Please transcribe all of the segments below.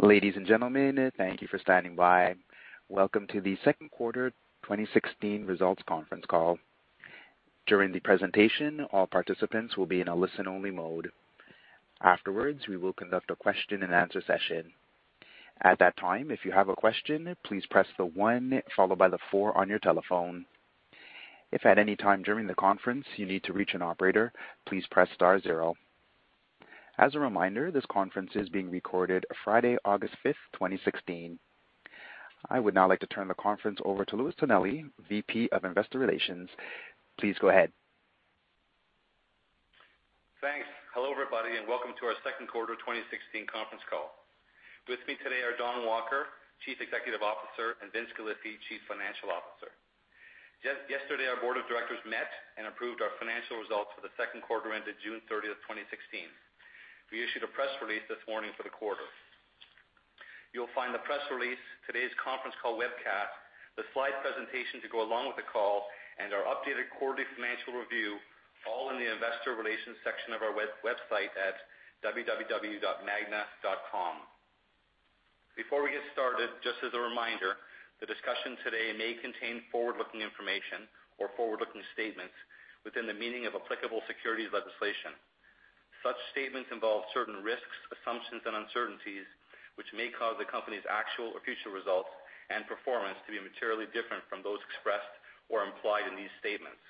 Ladies and gentlemen, thank you for standing by. Welcome to the second quarter 2016 results conference call. During the presentation, all participants will be in a listen-only mode. Afterwards, we will conduct a question and answer session. At that time, if you have a question, please press the one followed by the four on your telephone. If at any time during the conference you need to reach an operator, please press star zero. As a reminder, this conference is being recorded Friday, August 5th, 2016. I would now like to turn the conference over to Louis Tonelli, VP of Investor Relations. Please go ahead. Thanks. Hello, everybody, welcome to our second quarter 2016 conference call. With me today are Don Walker, Chief Executive Officer, and Vince Galifi, Chief Financial Officer. Yesterday, our board of directors met and approved our financial results for the second quarter ended June 30th, 2016. We issued a press release this morning for the quarter. You'll find the press release, today's conference call webcast, the slide presentation to go along with the call, and our updated quarterly financial review all in the investor relations section of our website at www.magna.com. Before we get started, just as a reminder, the discussion today may contain forward-looking information or forward-looking statements within the meaning of applicable securities legislation. Such statements involve certain risks, assumptions, and uncertainties, which may cause the company's actual or future results and performance to be materially different from those expressed or implied in these statements.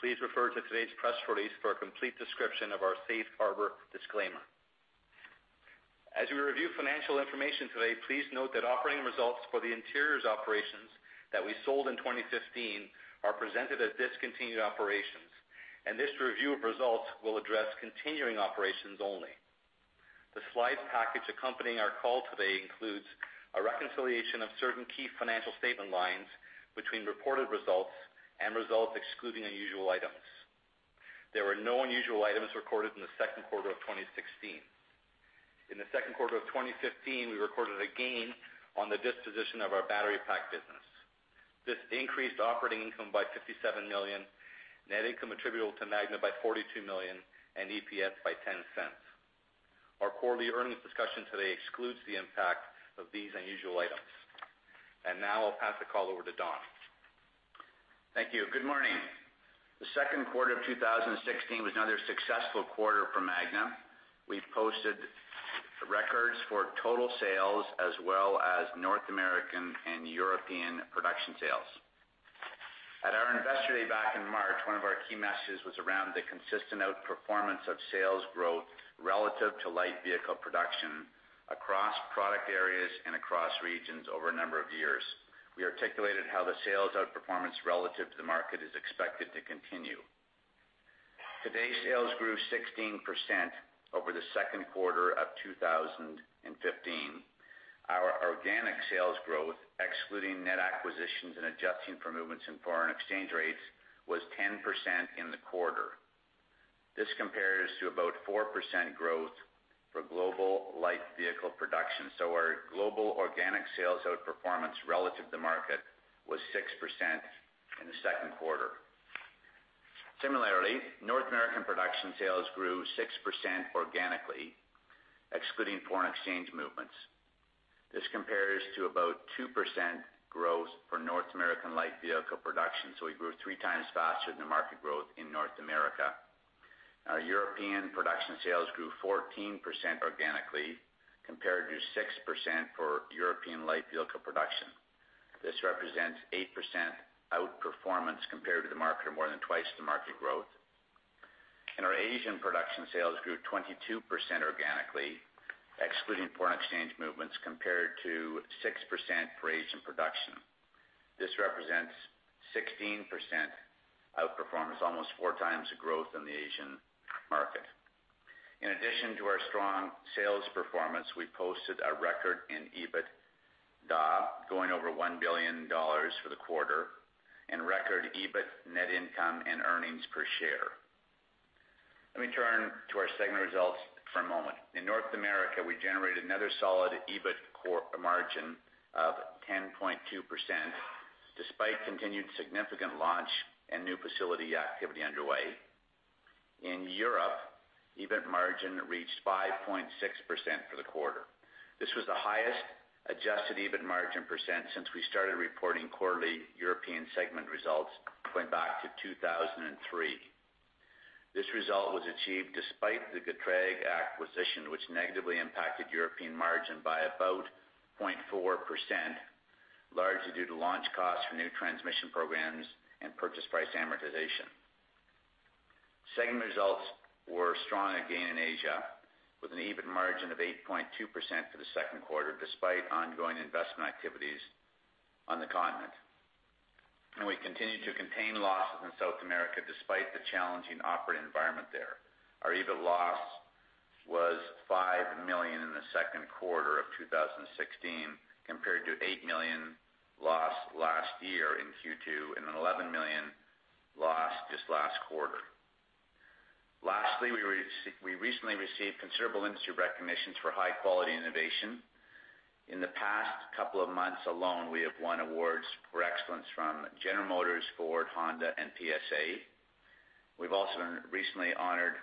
Please refer to today's press release for a complete description of our safe harbor disclaimer. As we review financial information today, please note that operating results for the interiors operations that we sold in 2015 are presented as discontinued operations, and this review of results will address continuing operations only. The slides package accompanying our call today includes a reconciliation of certain key financial statement lines between reported results and results excluding unusual items. There were no unusual items recorded in the second quarter of 2016. In the second quarter of 2015, we recorded a gain on the disposition of our battery pack business. This increased operating income by $57 million, net income attributable to Magna by $42 million, and EPS by $0.10. Our quarterly earnings discussion today excludes the impact of these unusual items. Now I'll pass the call over to Don. Thank you. Good morning. The second quarter of 2016 was another successful quarter for Magna. We've posted records for total sales as well as North American and European production sales. At our investor day back in March, one of our key messages was around the consistent outperformance of sales growth relative to light vehicle production across product areas and across regions over a number of years. We articulated how the sales outperformance relative to the market is expected to continue. Today, sales grew 16% over the second quarter of 2015. Our organic sales growth, excluding net acquisitions and adjusting for movements in foreign exchange rates, was 10% in the quarter. This compares to about 4% growth for global light vehicle production. Our global organic sales outperformance relative to market was 6% in the second quarter. Similarly, North American production sales grew 6% organically, excluding foreign exchange movements. This compares to about 2% growth for North American light vehicle production. We grew three times faster than market growth in North America. Our European production sales grew 14% organically compared to 6% for European light vehicle production. This represents 8% outperformance compared to the market or more than twice the market growth. Our Asian production sales grew 22% organically, excluding foreign exchange movements compared to 6% for Asian production. This represents 16% outperformance, almost four times the growth in the Asian market. In addition to our strong sales performance, we posted a record in EBITDA going over $1 billion for the quarter and record EBIT, net income, and earnings per share. Let me turn to our segment results for a moment. In North America, we generated another solid EBIT margin of 10.2%, despite continued significant launch and new facility activity underway. In Europe, EBIT margin reached 5.6% for the quarter. This was the highest adjusted EBIT margin percent since we started reporting quarterly European segment results going back to 2003. This result was achieved despite the GETRAG acquisition, which negatively impacted European margin by about 0.4%, largely due to launch costs for new transmission programs and purchase price amortization. Segment results were strong again in Asia with an EBIT margin of 8.2% for the second quarter, despite ongoing investment activities on the continent. We continued to contain losses in South America despite the challenging operating environment there. Our EBIT loss was $5 million in the second quarter of 2016, compared to $8 million loss last year in Q2 and an $11 million loss this last quarter. Lastly, we recently received considerable industry recognitions for high quality innovation. In the past couple of months alone, we have won awards for excellence from General Motors, Ford, Honda, and PSA. We've also been recently honored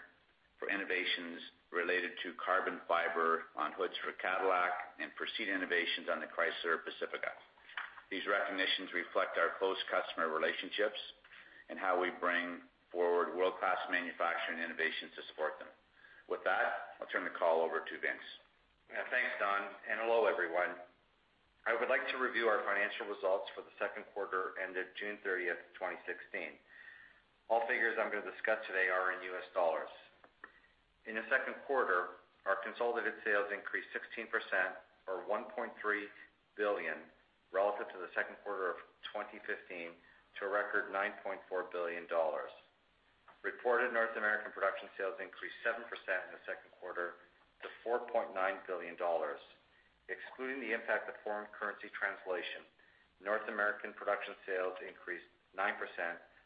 for innovations related to carbon fiber on hoods for Cadillac and process innovations on the Chrysler Pacifica. These recognitions reflect our close customer relationships and how we bring forward world-class manufacturing innovations to support them. With that, I'll turn the call over to Vince. Thanks, Don, hello, everyone. I would like to review our financial results for the second quarter ended June 30th, 2016. All figures I'm going to discuss today are in US dollars. In the second quarter, our consolidated sales increased 16%, or $1.3 billion, relative to the second quarter of 2015 to a record $9.4 billion. Reported North American production sales increased 7% in the second quarter to $4.9 billion. Excluding the impact of foreign currency translation, North American production sales increased 9%,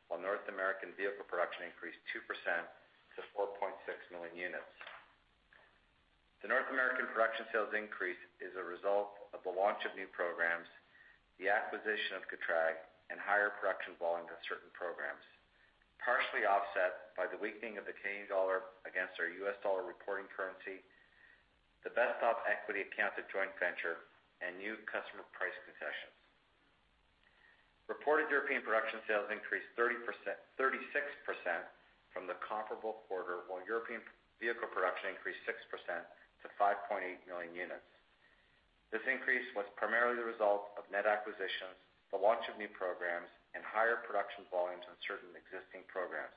while North American vehicle production increased 2% to 4.6 million units. The North American production sales increase is a result of the launch of new programs, the acquisition of GETRAG, and higher production volumes of certain programs, partially offset by the weakening of the Canadian dollar against our US dollar reporting currency, the de-consolidation to equity account of joint venture, and new customer price concessions. Reported European production sales increased 36% from the comparable quarter, while European vehicle production increased 6% to 5.8 million units. This increase was primarily the result of net acquisitions, the launch of new programs, and higher production volumes on certain existing programs.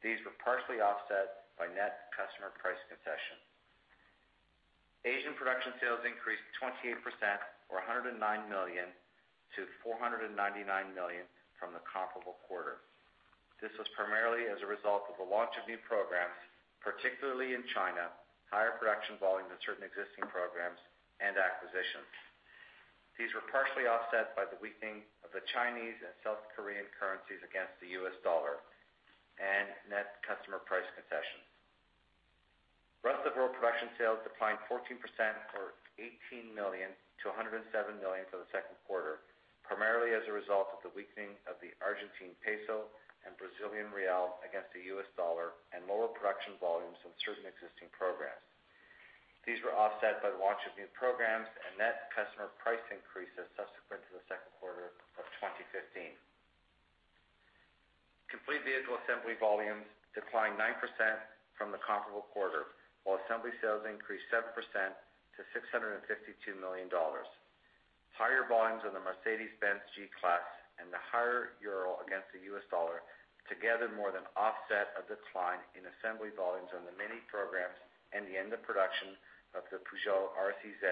These were partially offset by net customer price concessions. Asian production sales increased 28%, or $109 million, to $499 million from the comparable quarter. This was primarily as a result of the launch of new programs, particularly in China, higher production volumes of certain existing programs, and acquisitions. These were partially offset by the weakening of the Chinese and South Korean currencies against the US dollar and net customer price concessions. Rest of world production sales declined 14%, or $18 million, to $107 million for the second quarter, primarily as a result of the weakening of the Argentine peso and Brazilian real against the US dollar and lower production volumes from certain existing programs. These were offset by the launch of new programs and net customer price increases subsequent to the second quarter of 2015. Complete vehicle assembly volumes declined 9% from the comparable quarter, while assembly sales increased 7% to $652 million. Higher volumes of the Mercedes-Benz G-Class and the higher euro against the US dollar together more than offset a decline in assembly volumes on the MINI programs and the end of production of the Peugeot RCZ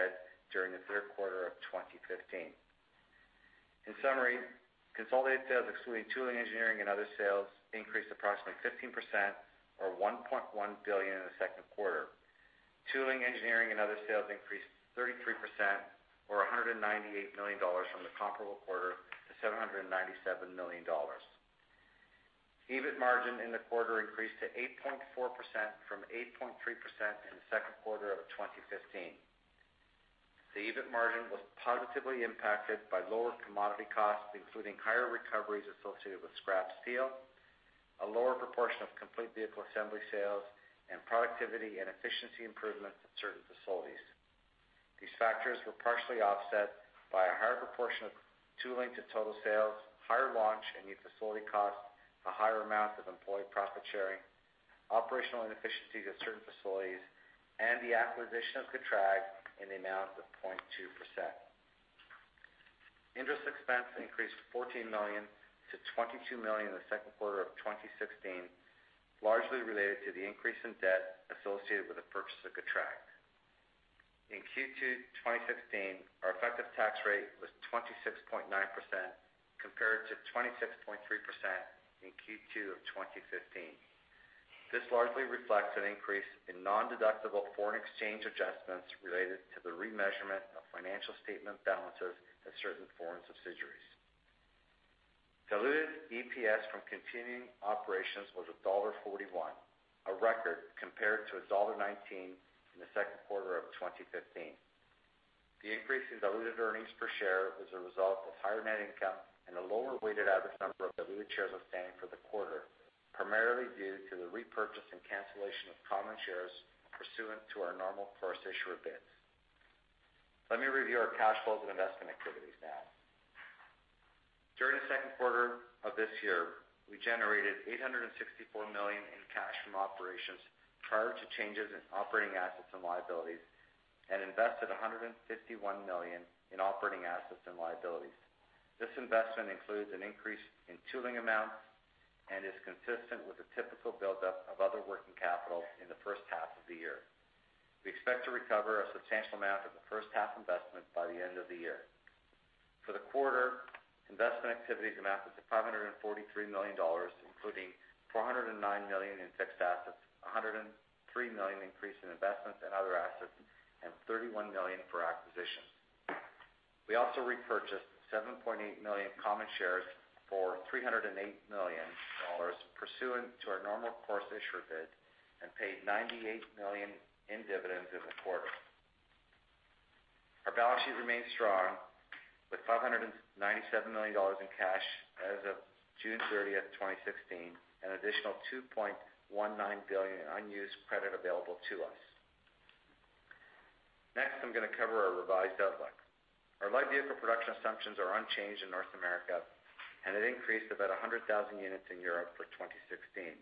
during the third quarter of 2015. In summary, consolidated sales, excluding tooling, engineering, and other sales, increased approximately 15%, or $1.1 billion, in the second quarter. Tooling, engineering, and other sales increased 33%, or $198 million, from the comparable quarter to $797 million. EBIT margin in the quarter increased to 8.4% from 8.3% in the second quarter of 2015. The EBIT margin was positively impacted by lower commodity costs, including higher recoveries associated with scrap steel, a lower proportion of complete vehicle assembly sales, and productivity and efficiency improvements at certain facilities. These factors were partially offset by a higher proportion of tooling to total sales, higher launch and new facility costs, a higher amount of employee profit sharing, operational inefficiencies at certain facilities, and the acquisition of GETRAG in the amount of 0.2%. Interest expense increased $14 million to $22 million in the second quarter of 2016, largely related to the increase in debt associated with the purchase of GETRAG. In Q2 2016, our effective tax rate was 26.9% compared to 26.3% in Q2 of 2015. This largely reflects an increase in nondeductible foreign exchange adjustments related to the remeasurement of financial statement balances at certain foreign subsidiaries. Diluted EPS from continuing operations was $1.41, a record compared to $1.19 in the second quarter of 2015. The increase in diluted earnings per share was a result of higher net income and a lower weighted average number of diluted shares outstanding for the quarter, primarily due to the repurchase and cancellation of common shares pursuant to our normal course issuer bids. Let me review our cash flows and investment activities now. During the second quarter of this year, we generated $864 million in cash from operations prior to changes in operating assets and liabilities and invested $151 million in operating assets and liabilities. This investment includes an increase in tooling amounts and is consistent with the typical buildup of other working capital in the first half of the year. We expect to recover a substantial amount of the first half investment by the end of the year. For the quarter, investment activities amounted to $543 million, including $409 million in fixed assets, $103 million increase in investments and other assets, and $31 million for acquisitions. We also repurchased 7.8 million common shares for $308 million pursuant to our normal course issuer bid and paid $98 million in dividends in the quarter. Our balance sheet remains strong with $597 million in cash as of June 30th, 2016, an additional $2.19 billion in unused credit available to us. Next, I'm going to cover our revised outlook. Our light vehicle production assumptions are unchanged in North America and have increased about 100,000 units in Europe for 2016,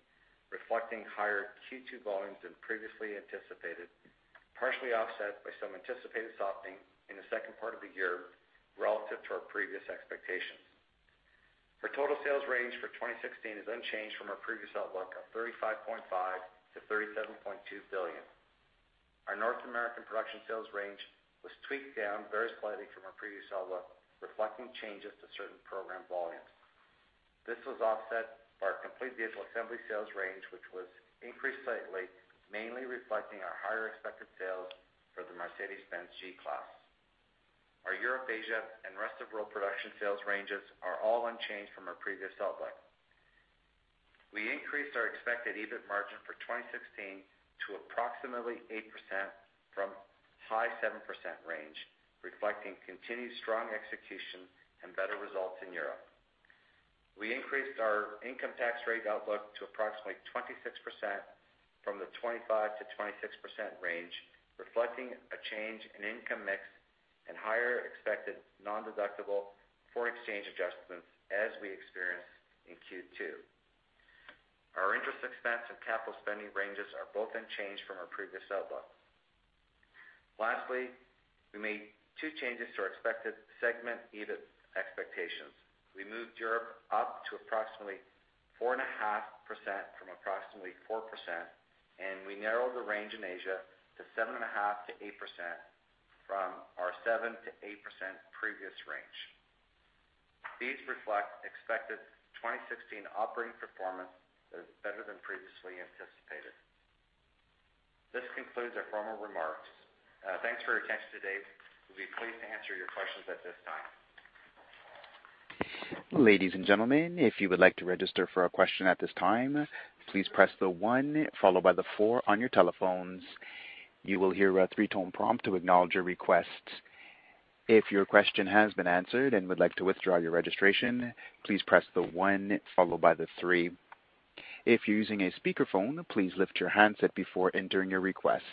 reflecting higher Q2 volumes than previously anticipated, partially offset by some anticipated softening in the second part of the year relative to our previous expectations. Our total sales range for 2016 is unchanged from our previous outlook of $35.5 billion-$37.2 billion. Our North American production sales range was tweaked down very slightly from our previous outlook, reflecting changes to certain program volumes. This was offset by our complete vehicle assembly sales range, which was increased slightly, mainly reflecting our higher expected sales for the Mercedes-Benz G-Class. Our Europe, Asia, and rest of world production sales ranges are all unchanged from our previous outlook. We increased our expected EBIT margin for 2016 to approximately 8% from high 7% range, reflecting continued strong execution and better results in Europe. We increased our income tax rate outlook to approximately 26% from the 25%-26% range, reflecting a change in income mix and higher expected nondeductible foreign exchange adjustments as we experienced in Q2. Our interest expense and capital spending ranges are both unchanged from our previous outlook. Lastly, we made two changes to our expected segment EBIT expectations. We moved Europe up to approximately 4.5% from approximately 4%, and we narrowed the range in Asia to 7.5%-8% from our 7%-8% previous range. These reflect expected 2016 operating performance that is better than previously anticipated. This concludes our formal remarks. Thanks for your attention today. We'll be pleased to answer your questions at this time. Ladies and gentlemen, if you would like to register for a question at this time, please press the one followed by the four on your telephones. You will hear a three-tone prompt to acknowledge your request. If your question has been answered and would like to withdraw your registration, please press the one followed by the three. If you're using a speakerphone, please lift your handset before entering your request.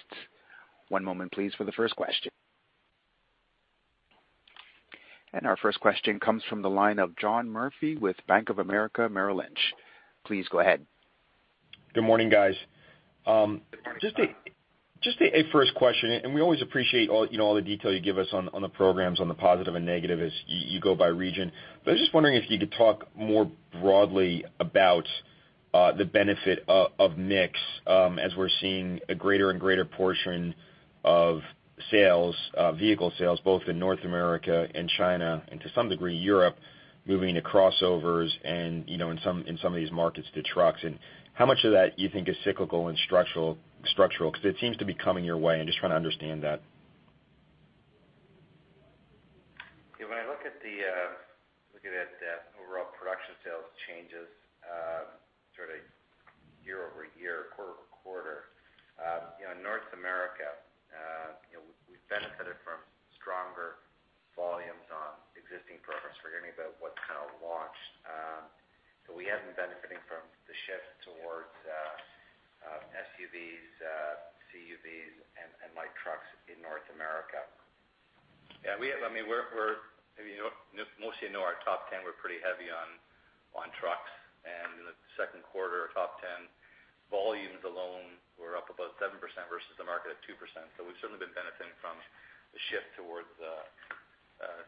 One moment, please, for the first question. Our first question comes from the line of John Murphy with Bank of America Merrill Lynch. Please go ahead. Good morning, guys. Just a first question. We always appreciate all the detail you give us on the programs, on the positive and negative as you go by region. I was just wondering if you could talk more broadly about the benefit of mix as we're seeing a greater and greater portion of vehicle sales, both in North America and China, and to some degree, Europe, moving to crossovers and in some of these markets, to trucks. How much of that you think is cyclical and structural? Because it seems to be coming your way. I'm just trying to understand that. When I look at the overall production sales changes sort of year-over-year, quarter-over-quarter, North America, we've benefited from stronger volumes on existing programs, forgetting about what's kind of launched. We have been benefiting from the shift towards SUVs, CUVs, and light trucks in North America. Most of you know our top 10, we're pretty heavy on trucks. In the second quarter, our top 10 volumes alone were up about 7% versus the market at 2%. We've certainly been benefiting from the shift towards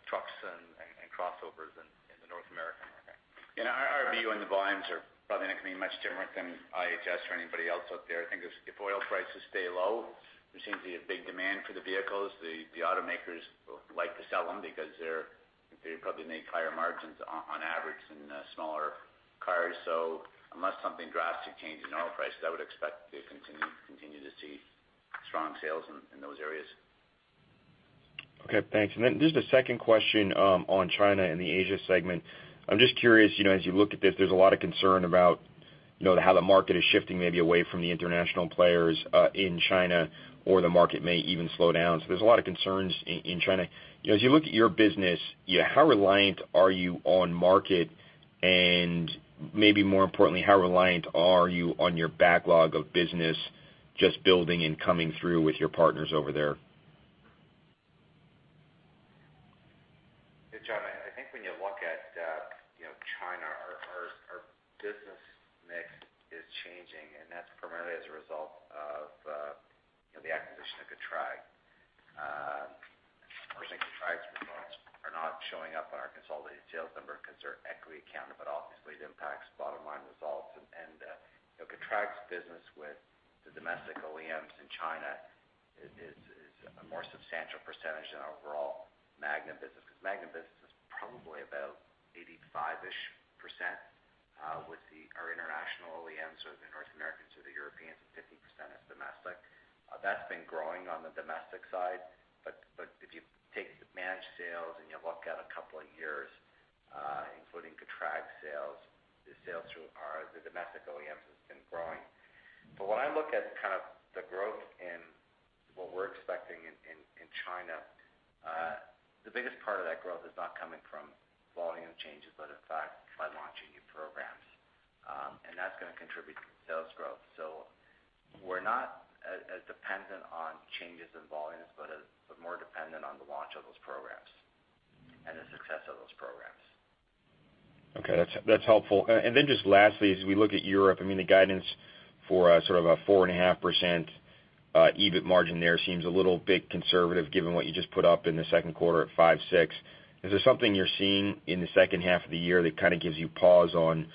trucks and crossovers in the North American market. Our view on the volumes are probably not going to be much different than IHS or anybody else out there. I think if oil prices stay low, there seems to be a big demand for the vehicles. The automakers like to sell them because they probably make higher margins on average than smaller cars. Unless something drastic changes in oil prices, I would expect to continue to see strong sales in those areas. Okay, thanks. Just a second question on China and the Asia segment. As you look at this, there's a lot of concern about how the market is shifting maybe away from the international players in China, or the market may even slow down. There's a lot of concerns in China. As you look at your business, how reliant are you on market? Maybe more importantly, how reliant are you on your backlog of business just building and coming through with your partners over there? Hey, John, I think when you look at China, our business mix is changing, and that's primarily as a result of the acquisition of GETRAG. I think GETRAG's results are not showing up on our consolidated sales number because they're equity accounted, but obviously it impacts bottom-line results. GETRAG's business with the domestic OEMs in China is a more substantial percentage than overall Magna business because Magna business is 5%-ish with our international OEMs or the North Americans or the Europeans, and 50% is domestic. That's been growing on the domestic side, if you take managed sales and you look out a couple of years, including GETRAG sales, the sales through our domestic OEMs has been growing. When I look at the growth in what we're expecting in China, the biggest part of that growth is not coming from volume changes, but in fact, by launching new programs. That's going to contribute to sales growth. We're not as dependent on changes in volumes, but more dependent on the launch of those programs and the success of those programs. Okay. That's helpful. Just lastly, as we look at Europe, the guidance for a 4.5% EBIT margin there seems a little bit conservative given what you just put up in the second quarter at 5.6%. Is there something you're seeing in the second half of the year that gives you pause on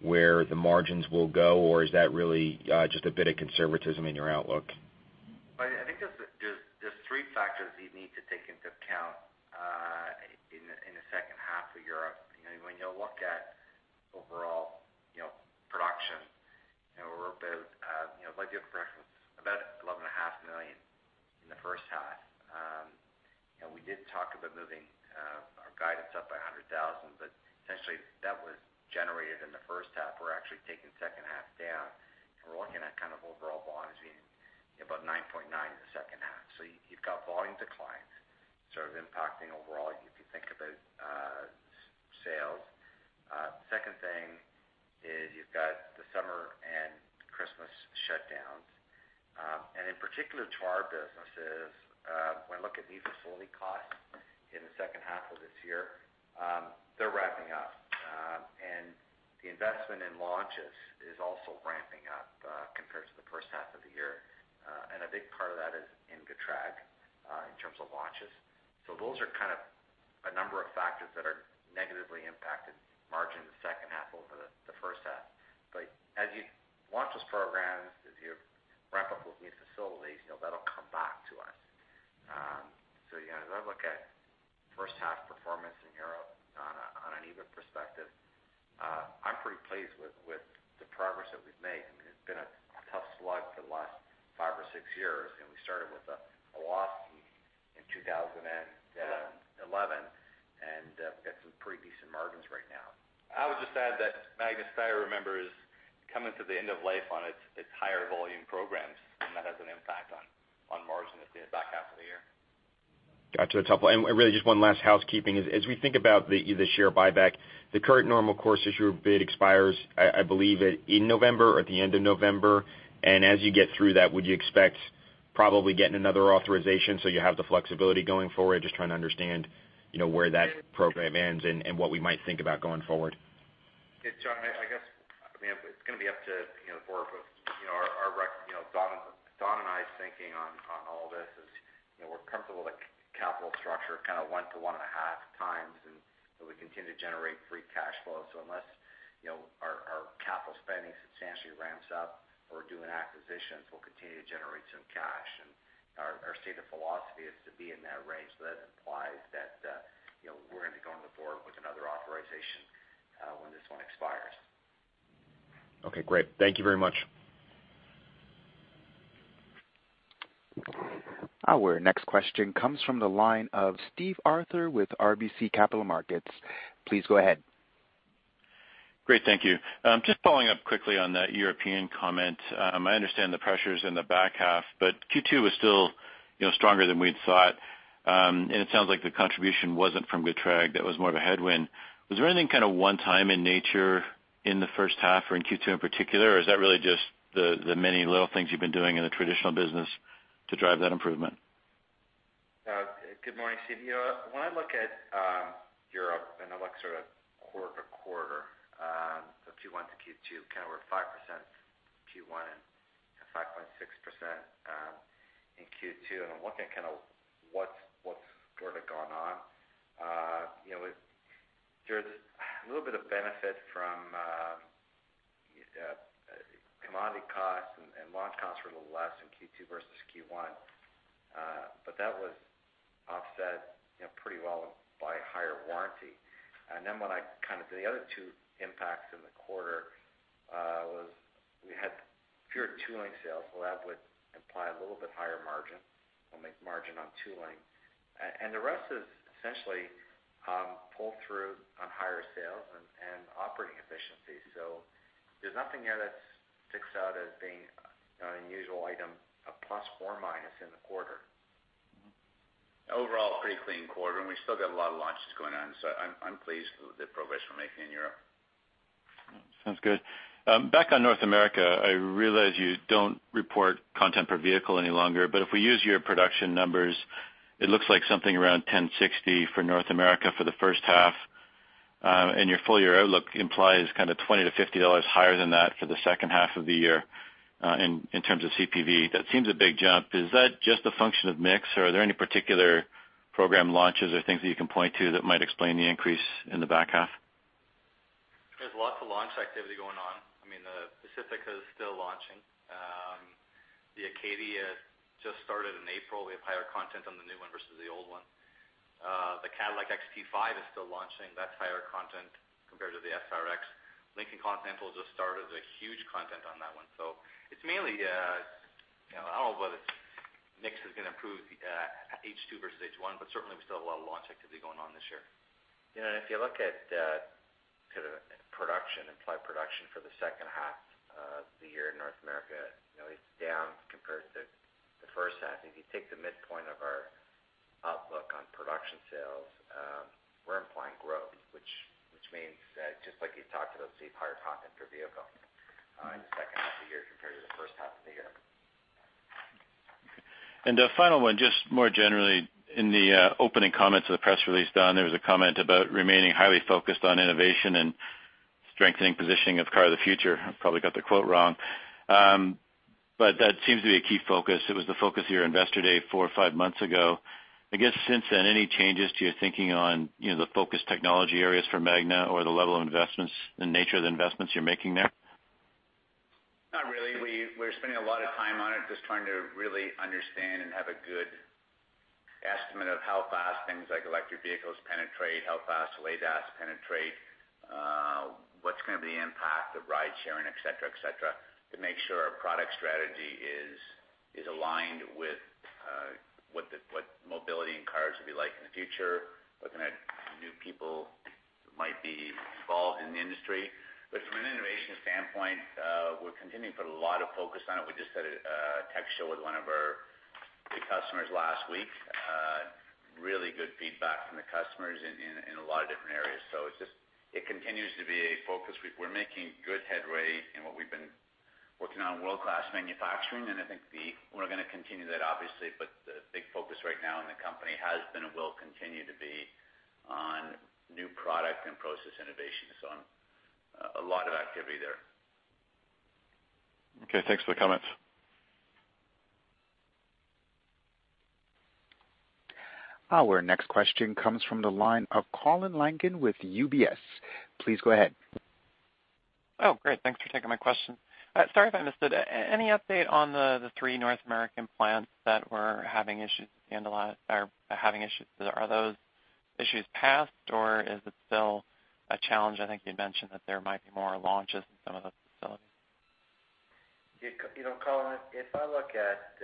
where the margins will go? Is that really just a bit of conservatism in your outlook? I think there's three factors that you need to take into account in the second half of Europe. When you look at overall production, we're about 11.5 million in the first half. We did talk about moving our guidance up by 100,000, but essentially that was generated in the first half. We're actually taking the second half down, and we're looking at overall volumes being about 9.9 in the second half. You've got volume declines impacting overall, if you think about sales. Second thing is you've got the summer and Christmas shutdowns. In particular to our businesses, when I look at new facility costs in the second half of this year, they're ramping up. The investment in launches is also ramping up compared to the first half of the year. A big part of that is in GETRAG, in terms of launches. Those are a number of factors that are negatively impacted margin in the second half over the first half. As you launch those programs, as you ramp up those new facilities, that'll come back to us. As I look at first half performance in Europe on an EBIT perspective, I'm pretty pleased with the progress that we've made. It's been a tough slog for the last five or six years. We started with a loss in 2011, and we've got some pretty decent margins right now. I would just add that Magna Steyr, remember, is coming to the end of life on its higher volume programs, and that has an impact on margin in the back half of the year. Gotcha. That's helpful. Really just one last housekeeping. As we think about the share buyback, the current normal course issuer bid expires, I believe in November or at the end of November. As you get through that, would you expect probably getting another authorization so you have the flexibility going forward? Just trying to understand where that program ends and what we might think about going forward. Hey, John, I guess it's going to be up to the board, Don and I's thinking on all this is we're comfortable that capital structure kind of one to one and a half times, and that we continue to generate free cash flow. Unless our capital spending substantially ramps up or do an acquisition, we'll continue to generate some cash. Our stated philosophy is to be in that range. That implies that we're going to go to the board with another authorization when this one expires. Okay, great. Thank you very much. Our next question comes from the line of Steve Arthur with RBC Capital Markets. Please go ahead. Great. Thank you. Just following up quickly on that European comment. I understand the pressures in the back half, Q2 was still stronger than we'd thought. It sounds like the contribution wasn't from GETRAG. That was more of a headwind. Was there anything one time in nature in the first half or in Q2 in particular? Is that really just the many little things you've been doing in the traditional business to drive that improvement? Good morning, Steve. When I look at Europe and I look sort of quarter-over-quarter, so Q1 to Q2, we're 5% Q1 and 5.6% in Q2, and I'm looking at what's sort of gone on. There's a little bit of benefit from commodity costs and launch costs were a little less in Q2 versus Q1. That was offset pretty well by higher warranty. The other two impacts in the quarter was we had fewer tooling sales, so that would imply a little bit higher margin on the margin on tooling. The rest is essentially pull through on higher sales and operating efficiency. There's nothing there that sticks out as being an unusual item, a plus or minus in the quarter. Overall, pretty clean quarter, we still got a lot of launches going on. I'm pleased with the progress we're making in Europe. Sounds good. Back on North America, I realize you don't report content per vehicle any longer, but if we use your production numbers, it looks like something around $1,060 for North America for the first half. Your full-year outlook implies $20-$50 higher than that for the second half of the year in terms of CPV. That seems a big jump. Is that just a function of mix, or are there any particular program launches or things that you can point to that might explain the increase in the back half? There's lots of launch activity going on. The Pacifica is still launching. The Acadia just started in April. We have higher content on the new one versus the old one. The Cadillac XT5 is still launching. That's higher content compared to the SRX. Lincoln Continental just started, a huge content on that one. It's mainly, I don't know whether mix is going to improve H2 versus H1, certainly we still have a lot of launch activity going on this year. If you look at production, implied production for the second half of the year in North America, it is down compared to the first half. If you take the midpoint of our outlook on production sales, we are implying growth, which means that just like you talked about, see higher content per vehicle in the second half of the year compared to the first half of the year. A final one, just more generally in the opening comments of the press release, Don, there was a comment about remaining highly focused on innovation and strengthening positioning of car of the future. I probably got the quote wrong. That seems to be a key focus. It was the focus of your Investor Day four or five months ago. I guess since then, any changes to your thinking on the focus technology areas for Magna or the level of investments, the nature of the investments you are making there? Not really. We are spending a lot of time on it, just trying to really understand and have a good estimate of how fast things like electric vehicles penetrate, how fast ADAS penetrate, what is going to be the impact of ride sharing, et cetera, to make sure our product strategy is aligned with what mobility and cars will be like in the future. What kind of new people might be involved in the industry. From an innovation standpoint, we are continuing to put a lot of focus on it. We just had a tech show with one of our big customers last week. Really good feedback from the customers in a lot of different areas. It continues to be a focus. We are making good headway in what we have been working on world-class manufacturing, and I think we are going to continue that, obviously, but the big focus right now in the company has been, and will continue to be, on new product and process innovation. A lot of activity there. Okay. Thanks for the comments. Our next question comes from the line of Colin Langan with UBS. Please go ahead. Oh, great. Thanks for taking my question. Sorry if I missed it. Any update on the three North American plants that were having issues to handle that are having issues? Are those issues past or is it still a challenge? I think you'd mentioned that there might be more launches in some of the facilities. Colin, if I look at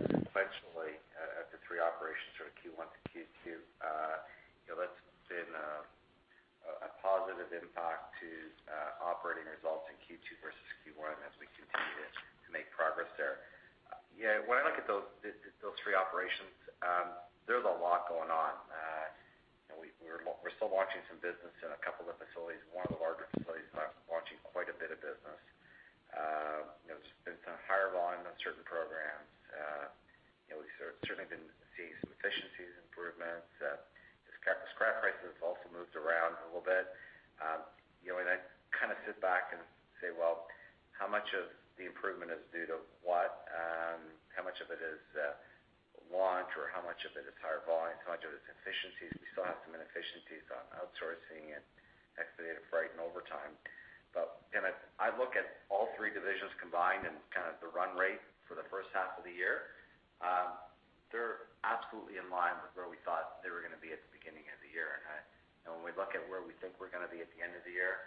sequentially at the three operations sort of Q1 to Q2, that's been a positive impact to operating results in Q2 versus Q1 as we continue to make progress there. When I look at those three operations, there's a lot going on. We're still launching some business in a couple of the facilities. One of the larger facilities, launching quite a bit of business. There's been some higher volume on certain programs. We've certainly been seeing some efficiencies improvements. The scrap prices have also moved around a little bit. I sit back and say, well, how much of the improvement is due to what? How much of it is launch, or how much of it is higher volume? How much of it is efficiencies? We still have some inefficiencies on outsourcing and expedited freight and overtime. I look at all three divisions combined and the run rate for the first half of the year. They're absolutely in line with where we thought they were going to be at the beginning of the year. When we look at where we think we're going to be at the end of the year,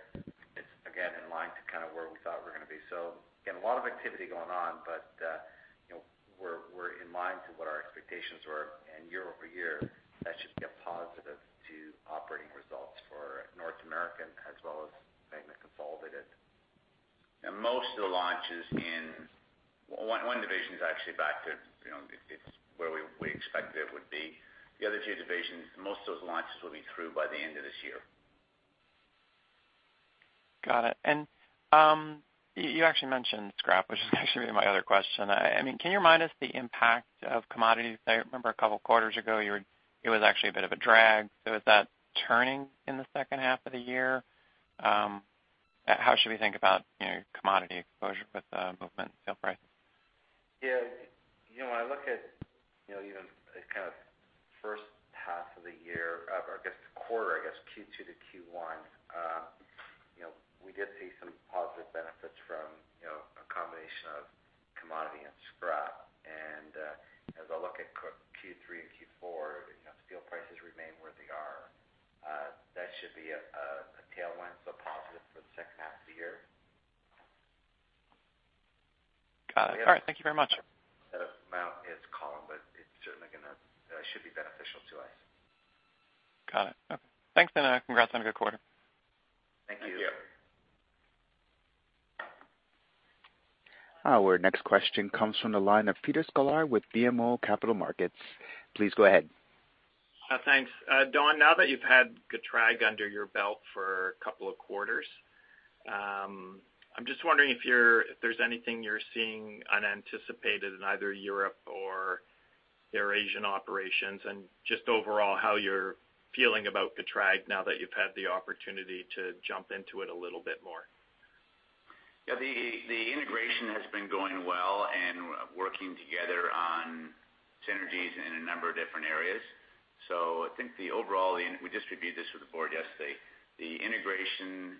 it's again, in line to where we thought we were going to be. Again, a lot of activity going on, but we're in line to what our expectations were and year-over-year, that should be a positive to operating results for North American as well as Magna consolidated. Most of the launches in one division is actually back to where we expected it would be. The other two divisions, most of those launches will be through by the end of this year. Got it. You actually mentioned scrap, which is actually my other question. Can you remind us the impact of commodities there? I remember a couple of quarters ago, it was actually a bit of a drag. Is that turning in the second half of the year? How should we think about commodity exposure with the movement in steel prices? When I look at first half of the year, or I guess the quarter, I guess Q2 to Q1, we did see some positive benefits from a combination of commodity and scrap. As I look at Q3 and Q4, steel prices remain where they are. That should be a tailwind, so positive for the second half of the year. Got it. All right. Thank you very much. I don't know the amount it's Colin, but it certainly should be beneficial to us. Got it. Okay. Thanks. Congrats on a good quarter. Thank you. Thank you. Our next question comes from the line of Peter Sklar with BMO Capital Markets. Please go ahead. Thanks. Don, now that you've had GETRAG under your belt for a couple of quarters, I'm just wondering if there's anything you're seeing unanticipated in either Europe or your Asian operations, and just overall, how you're feeling about GETRAG now that you've had the opportunity to jump into it a little bit more. The integration has been going well, working together on synergies in a number of different areas. I think the overall, we just reviewed this with the Board yesterday, the integration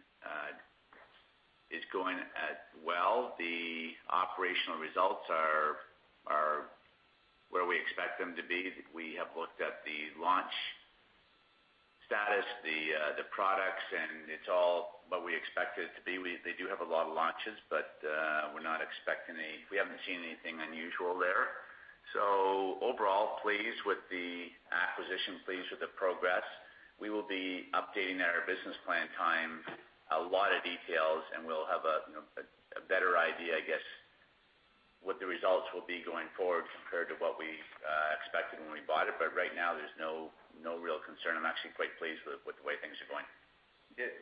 is going well. The operational results are where we expect them to be. We have looked at the launch status, the products, and it's all what we expect it to be. They do have a lot of launches, we haven't seen anything unusual there. Overall, pleased with the acquisition, pleased with the progress. We will be updating our business plan time, a lot of details, and we'll have a better idea, I guess, what the results will be going forward compared to what we expected when we bought it. Right now, there's no real concern. I'm actually quite pleased with the way things are going.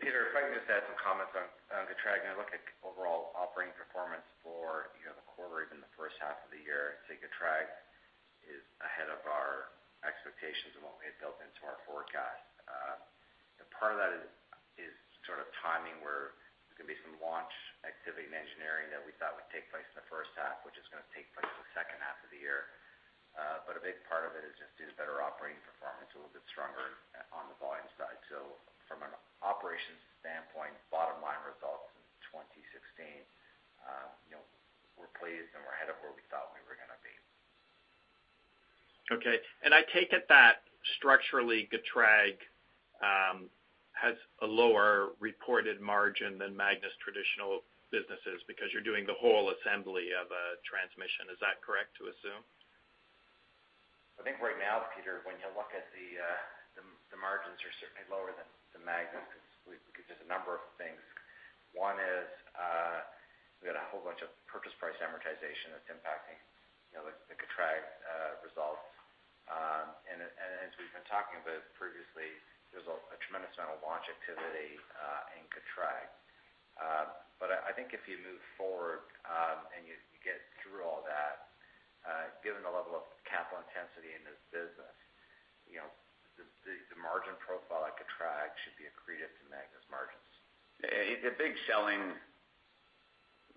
Peter, if I can just add some comments on GETRAG, and look at overall operating performance for the quarter, even the first half of the year. I think GETRAG is ahead of our expectations and what we had built into our forecast. Part of that is sort of timing, where there's going to be some launch activity and engineering that we thought would take place in the first half, which is going to take place in the second half of the year. A big part of it is just better operating performance, a little bit stronger on the volume side. From an operations standpoint, bottom line results in 2016, we're pleased and we're ahead of where we thought we were going to be. I take it that structurally, GETRAG has a lower reported margin than Magna's traditional businesses because you're doing the whole assembly of a transmission. Is that correct to assume? I think right now, Peter, when you look at the margins are certainly lower than Magna because there's a number of things. One is we had a whole bunch of purchase price amortization that's impacting the GETRAG results. As we've been talking about previously, there's a tremendous amount of launch activity in GETRAG. I think if you move forward and you get through all that, given the level of capital intensity in this business, the margin profile at GETRAG should be accretive to Magna's margins. The big selling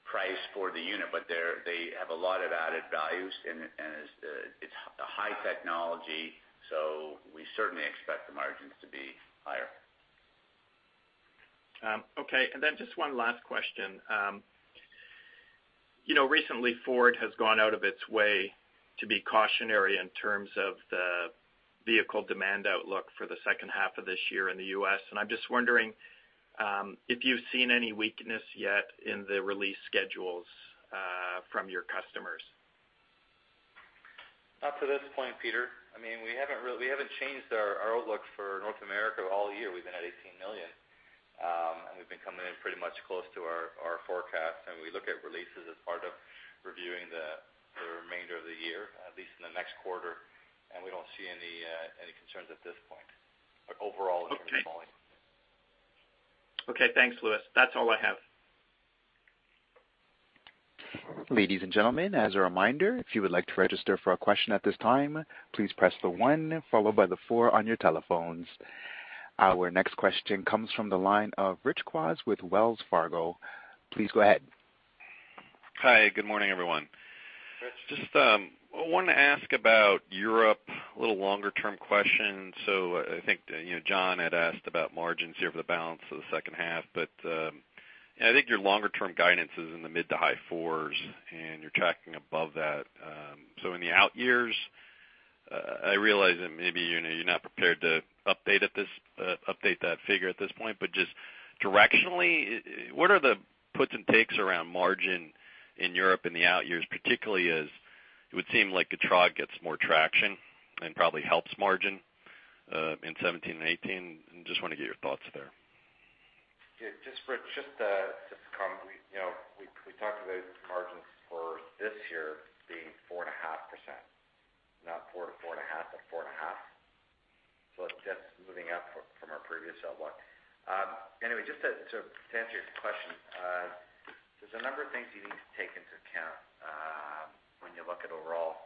price for the unit, but they have a lot of added values, and it's a high technology, so we certainly expect the margins to be higher. Okay, just one last question. Recently Ford has gone out of its way to be cautionary in terms of the vehicle demand outlook for the second half of this year in the U.S., I'm just wondering if you've seen any weakness yet in the release schedules from your customers. Not to this point, Peter. We haven't changed our outlook for North America all year. We've been at 18 million. We've been coming in pretty much close to our forecast, we look at releases as part of reviewing the remainder of the year, at least in the next quarter, and we don't see any concerns at this point. Overall, it's been falling. Okay, thanks Louis. That's all I have. Ladies and gentlemen, as a reminder, if you would like to register for a question at this time, please press the one followed by the four on your telephones. Our next question comes from the line of Rich Kwas with Wells Fargo. Please go ahead. Hi, good morning everyone. Rich. Just wanted to ask about Europe, a little longer-term question. I think John had asked about margins here for the balance of the second half, but I think your longer-term guidance is in the mid to high fours, and you're tracking above that. In the out years, I realize that maybe you're not prepared to update that figure at this point, but just directionally, what are the puts and takes around margin in Europe in the out years? Particularly as it would seem like GETRAG gets more traction and probably helps margin in 2017 and 2018. Just want to get your thoughts there. Yeah, Rich, just to comment, we talked about margins for this year being 4.5%. Not 4%-4.5%, but 4.5%. Just moving up from our previous outlook. Just to answer your question, there's a number of things you need to take into account when you look at overall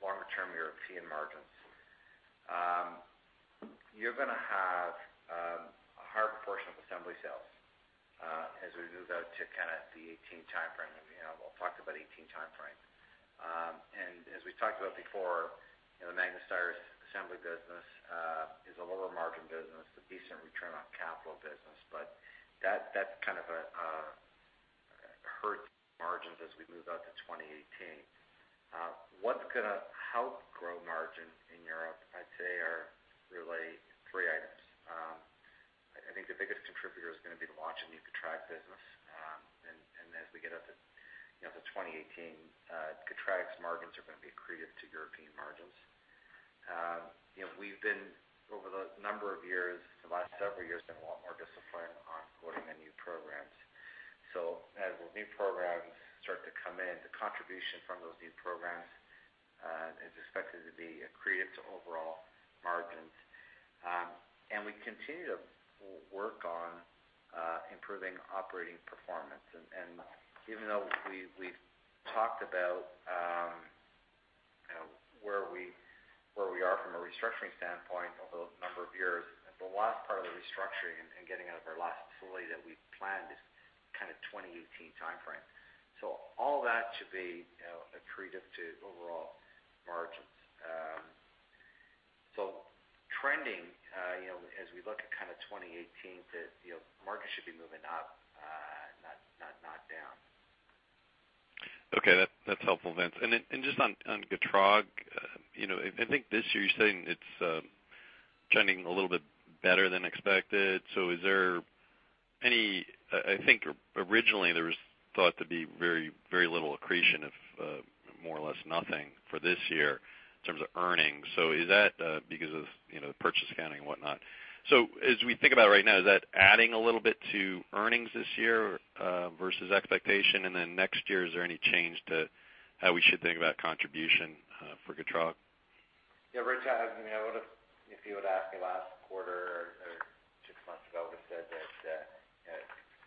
longer-term European margins. You're going to have a higher proportion of assembly sales as we move out to the 2018 timeframe. We'll talk about 2018 timeframe. As we talked about before, the Magna Steyr assembly business is a lower margin business, a decent return on capital business, but that kind of hurts margins as we move out to 2018. What's going to help grow margin in Europe, I'd say, are really three items. I think the biggest contributor is going to be the launch of the new GETRAG business. As we get out to 2018, GETRAG's margins are going to be accretive to European margins. We've been, over the number of years, the last several years, been a lot more disciplined on quoting the new programs. As the new programs start to come in, the contribution from those new programs is expected to be accretive to overall margins. We continue to work on improving operating performance. Even though we've talked about where we're Where we are from a restructuring standpoint over a number of years, the last part of the restructuring and getting out of our last facility that we planned is kind of 2018 timeframe. All that should be accretive to overall margins. Trending, as we look at 2018, the market should be moving up, not down. Okay. That's helpful, Vince. Just on GETRAG, I think this year you're saying it's trending a little bit better than expected. I think originally there was thought to be very little accretion of more or less nothing for this year in terms of earnings. Is that because of the purchase accounting and whatnot? As we think about right now, is that adding a little bit to earnings this year versus expectation? Then next year, is there any change to how we should think about contribution for GETRAG? Rich, if you would've asked me last quarter or six months ago, I would've said that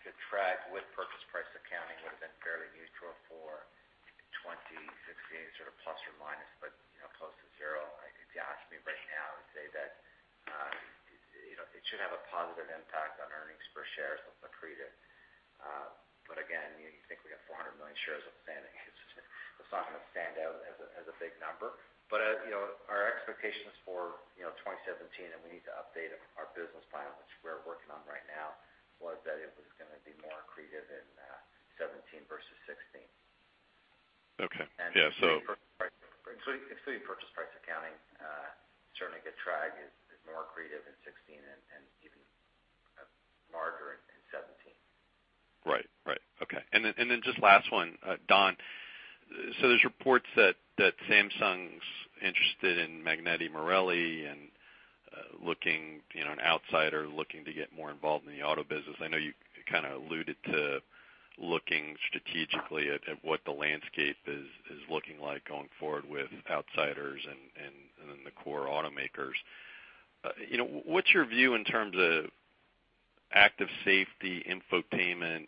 GETRAG with purchase price accounting would've been fairly neutral for 2016, sort of plus or minus, but close to zero. If you ask me right now, I'd say that it should have a positive impact on EPS, so it's accretive. Again, you think we got 400 million shares outstanding, it's not going to stand out as a big number. Our expectations for 2017, and we need to update our business plan, which we're working on right now, was that it was going to be more accretive in 2017 versus 2016. Okay. Yeah. Including purchase price accounting, certainly GETRAG is more accretive in 2016 and even larger in 2017. Right. Okay. Just last one, Don. There's reports that Samsung's interested in Magneti Marelli and an outsider looking to get more involved in the auto business. I know you kind of alluded to looking strategically at what the landscape is looking like going forward with outsiders and then the core automakers. What's your view in terms of active safety infotainment,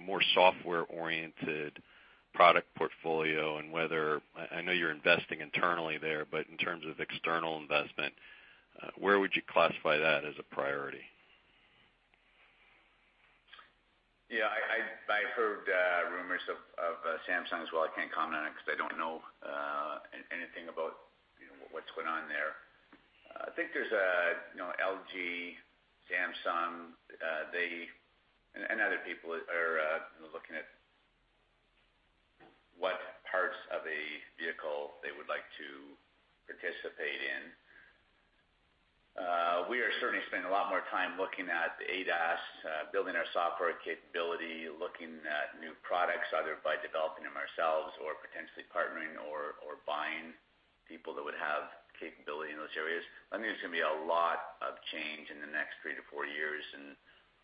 more software-oriented product portfolio and whether, I know you're investing internally there, but in terms of external investment, where would you classify that as a priority? Yeah, I've heard rumors of Samsung as well. I can't comment on it because I don't know anything about what's going on there. I think there's LG, Samsung, and other people are looking at what parts of a vehicle they would like to participate in. We are certainly spending a lot more time looking at the ADAS, building our software capability, looking at new products, either by developing them ourselves or potentially partnering or buying people that would have capability in those areas. I think there's going to be a lot of change in the next three to four years in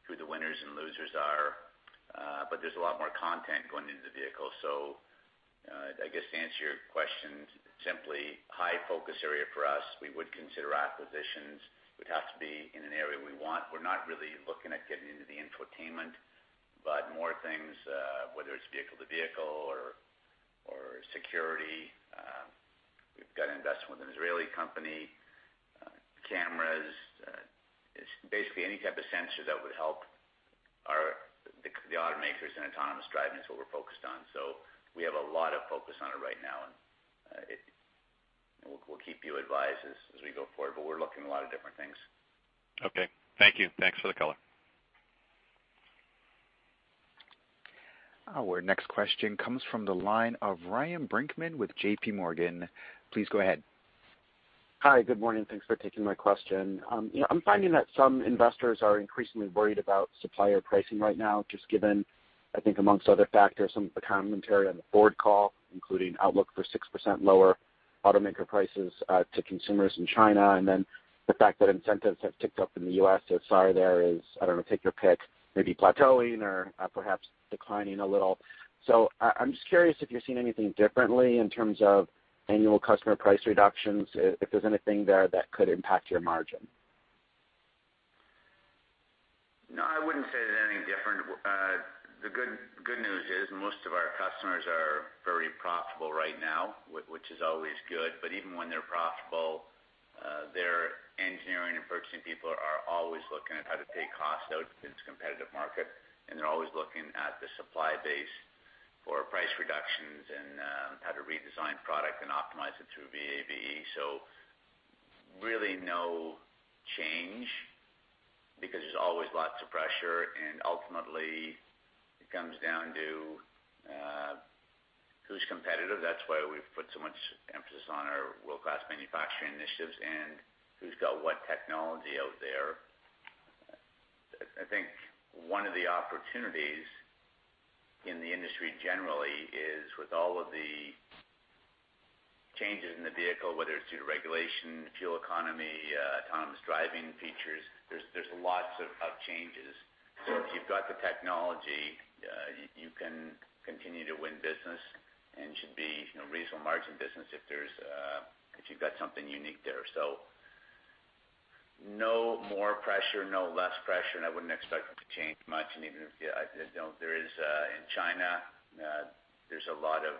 who the winners and losers are. There's a lot more content going into the vehicle. I guess to answer your question simply, high focus area for us, we would consider acquisitions, would have to be in an area we want. We're not really looking at getting into the infotainment, but more things, whether it's vehicle to vehicle or security. We've got an investment with an Israeli company. Cameras. It's basically any type of sensor that would help the automakers in autonomous driving is what we're focused on. We have a lot of focus on it right now, and we'll keep you advised as we go forward, but we're looking at a lot of different things. Okay. Thank you. Thanks for the color. Our next question comes from the line of Ryan Brinkman with J.P. Morgan. Please go ahead. Hi, good morning. Thanks for taking my question. I'm finding that some investors are increasingly worried about supplier pricing right now, just given, I think amongst other factors, some of the commentary on the Ford call, including outlook for 6% lower automaker prices to consumers in China, and then the fact that incentives have ticked up in the U.S. as far there is, I don't know, take your pick, maybe plateauing or perhaps declining a little. I'm just curious if you're seeing anything differently in terms of annual customer price reductions, if there's anything there that could impact your margin. No, I wouldn't say there's anything different. The good news is most of our customers are very profitable right now, which is always good. Even when they're profitable, their engineering and purchasing people are always looking at how to take costs out because it's a competitive market, and they're always looking at the supply base for price reductions and how to redesign product and optimize it through VAVE. Really no change because there's always lots of pressure, and ultimately it comes down to who's competitive. That's why we've put so much emphasis on our world-class manufacturing initiatives and who's got what technology out there. I think one of the opportunities in the industry generally is with all of the changes in the vehicle, whether it's due to regulation, fuel economy, autonomous driving features, there's lots of changes. If you've got the technology, you can continue to win business and should be reasonable margin business if you've got something unique. No more pressure, no less pressure, and I wouldn't expect it to change much. Even if there is in China, there's a lot of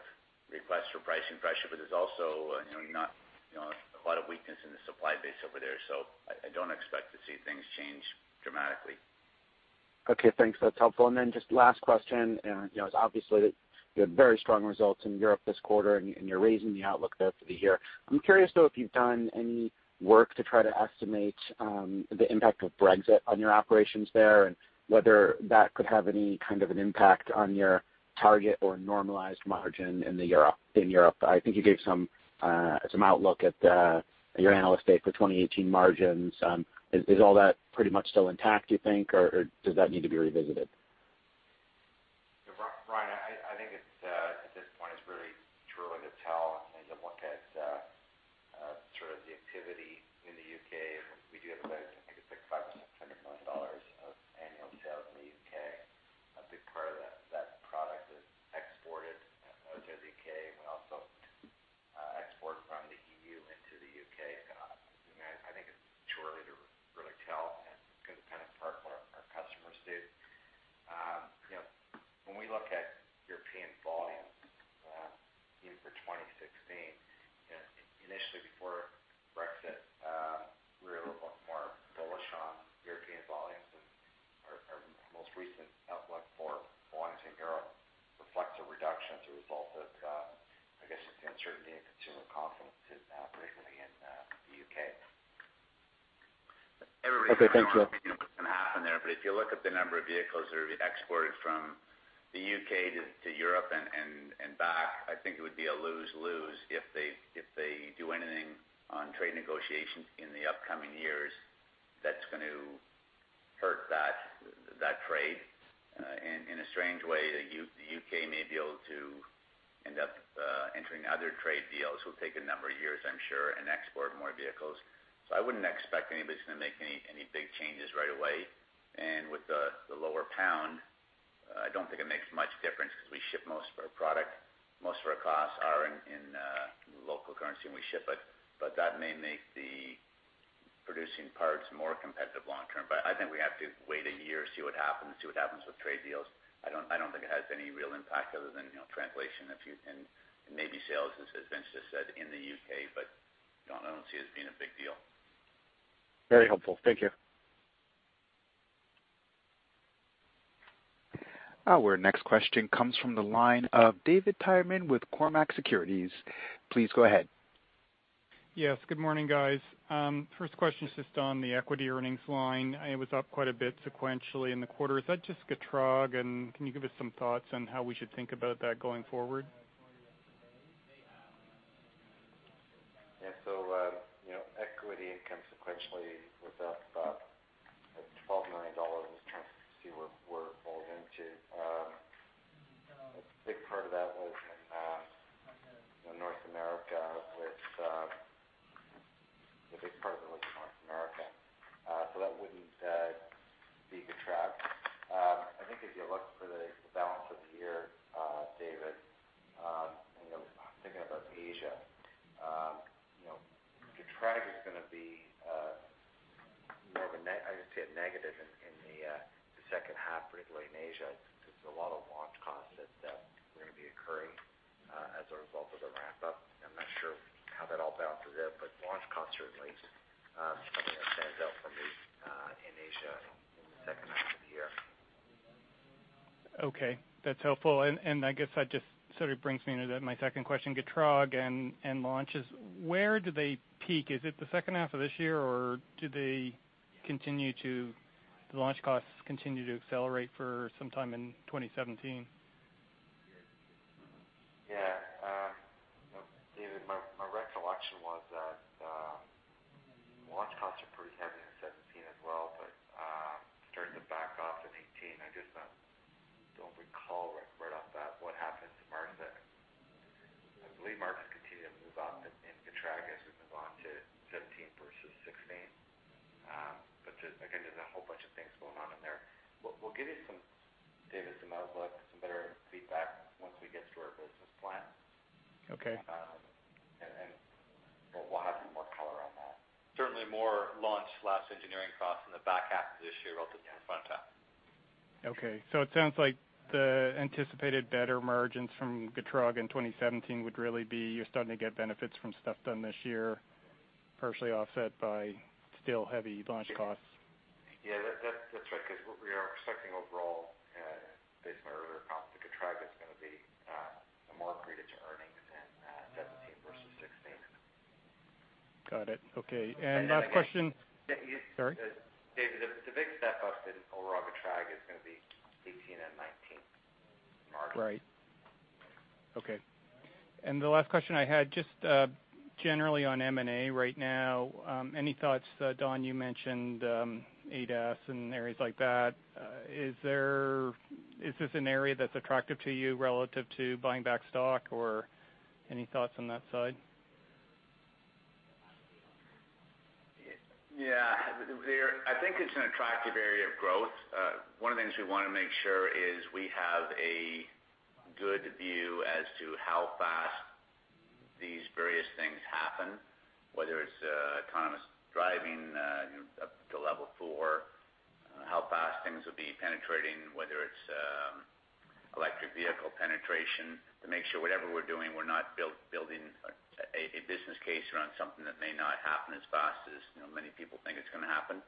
requests for pricing pressure, but there's also a lot of weakness in the supply base over there. I don't expect to see things change dramatically. Okay, thanks. That's helpful. Just last question, and obviously you had very strong results in Europe this quarter, and you're raising the outlook there for the year. I'm curious, though, if you've done any work to try to estimate the impact of Brexit on your operations there and whether that could have any kind of an impact on your target or normalized margin in Europe. I think you gave some outlook at your analyst day for 2018 margins. Is all that pretty much still intact, do you think, or does that need to be revisited? Ryan, I end up entering other trade deals. It will take a number of years, I'm sure, and export more vehicles. I wouldn't expect anybody's going to make any big changes right away. With the lower pound, I don't think it makes much difference because we ship most of our product, most of our costs are in local currency, and we ship it. That may make the producing parts more competitive long term. I think we have to wait one year, see what happens with trade deals. I don't think it has any real impact other than translation and maybe sales, as Vince just said, in the U.K. No, I don't see it as being a big deal. Very helpful. Thank you. Our next question comes from the line of David Tyerman with Cormark Securities. Please go ahead. Yes, good morning, guys. First question is just on the equity earnings line. It was up quite a bit sequentially in the quarter. Is that just GETRAG? Can you give us some thoughts on how we should think about that going forward? Yeah. Equity income sequentially was up about $12 million in terms of what we're rolled into. A big part of that was in North America. That wouldn't be GETRAG. I think if you look for the balance of the year, David, and thinking about Asia, GETRAG is going to be more of a negative in the second half, particularly in Asia, since there's a lot of launch costs that are going to be occurring as a result of the ramp-up. I'm not sure how that all balances out, launch costs are certainly something that stands out for me in Asia in the second half of the year. Okay, that's helpful. I guess that just sort of brings me to my second question, GETRAG and launches. Where do they peak? Is it the second half of this year, or do the launch costs continue to accelerate for some time in 2017? Yeah. David, my recollection was that launch costs are pretty heavy in 2017 as well, starting to back off in 2018. I just don't recall right off the bat what happened to margin. I believe margin continued to move up in GETRAG as we move on to 2017 versus 2016. Again, there's a whole bunch of things going on in there. We'll give you, David, some outlook, some better feedback once we get to our business plan. Okay. We'll have some more color on that. Certainly more launch, less engineering costs in the back half of this year relative to the front half. Okay. It sounds like the anticipated better margins from GETRAG in 2017 would really be you're starting to get benefits from stuff done this year, partially offset by still heavy launch costs. Yeah. That's right, because what we are expecting overall, based on my earlier comments, the GETRAG is going to be more accretive to earnings in 2017 versus 2016. Got it. Okay. Last question. Again. Sorry. David, the big step-up in overall GETRAG is going to be 2018 and 2019 margin. Right. Okay. The last question I had, just generally on M&A right now any thoughts? Don, you mentioned ADAS and areas like that. Is this an area that's attractive to you relative to buying back stock? Any thoughts on that side? Yeah. I think it's an attractive area of growth. One of the things we want to make sure is we have a good view as to how fast these various things happen, whether it's autonomous driving up to level 4, how fast things will be penetrating, whether it's electric vehicle penetration, to make sure whatever we're doing, we're not building a business case around something that may not happen as fast as many people think it's going to happen.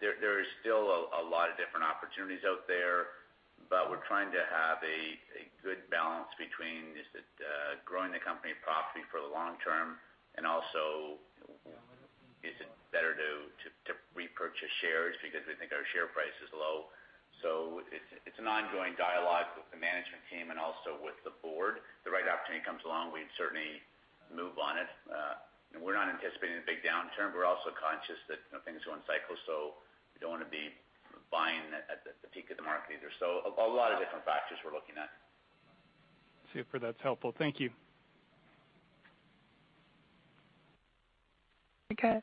There are still a lot of different opportunities out there, but we're trying to have a good balance between growing the company profitably for the long term and also, is it better to repurchase shares because we think our share price is low? It's an ongoing dialogue with the management team and also with the board. If the right opportunity comes along, we'd certainly move on it. We're not anticipating a big downturn, but we're also conscious that things go in cycles, so we don't want to be buying at the peak of the market either. A lot of different factors we're looking at. Super. That's helpful. Thank you. Okay.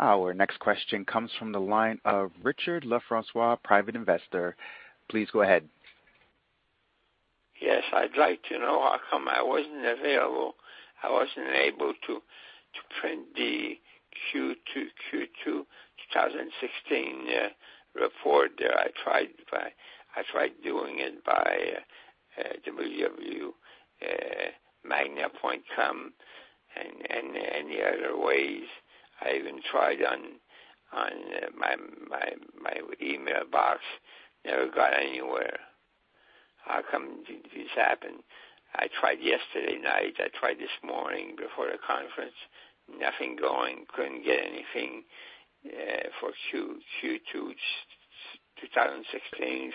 Our next question comes from the line of Richard Le Francois, private investor. Please go ahead. Yes, I'd like to know how come I wasn't available, I wasn't able to print the Q2 2016 report there. I tried doing it by magna.com and any other ways. I even tried on my email box, never got anywhere. How come this happened? I tried yesterday night. I tried this morning before the conference. Nothing going. Couldn't get anything for Q2 2016.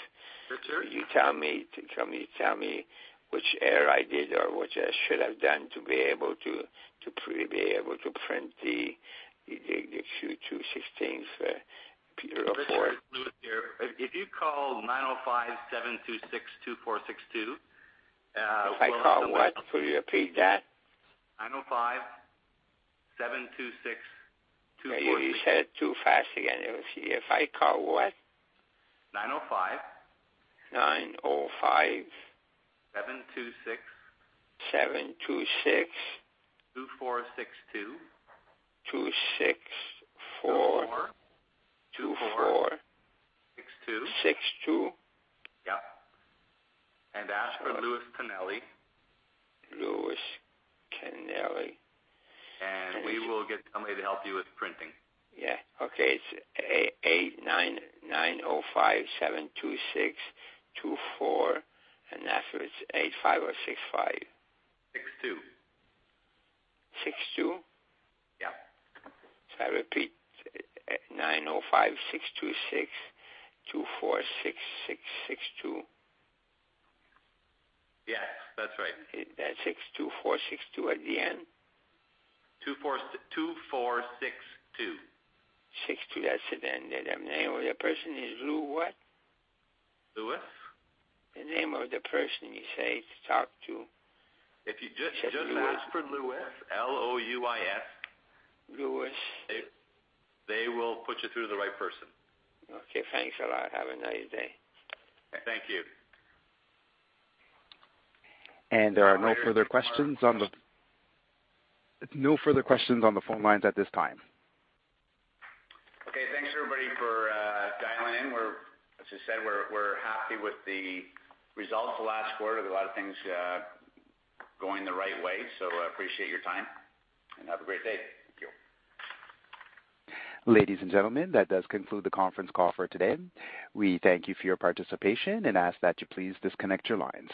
Richard? You tell me which error I did or what I should have done to be able to print the Q2 '16 report. Richard, it's Louis here. If you call 905-726-2462. If I call what? Could you repeat that? 905-726-2462. You said it too fast again. If I call what? 905. 905. 726. 726. 2462. 264- 24 24. 62. 62. Yeah. Ask for Louis Tonelli. Louis Tonelli. We will get somebody to help you with printing. Yeah. Okay. It's 905-726-246, and after it's eight, five or six, five? 62. 62? Yeah. I repeat, 905-626-246662. Yes, that's right. That 62462 at the end? 2462. 62. That's it then. The name of the person is Lou what? Louis. The name of the person you say to talk to. If you just ask for Louis, L-O-U-I-S- Louis They will put you through to the right person. Okay, thanks a lot. Have a nice day. Thank you. There are no further questions on the phone lines at this time. Okay. Thanks everybody for dialing in. As I said, we're happy with the results the last quarter. There's a lot of things going the right way, so appreciate your time and have a great day. Thank you. Ladies and gentlemen, that does conclude the conference call for today. We thank you for your participation and ask that you please disconnect your lines.